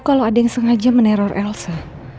kalau ada yang sengaja meneror elsa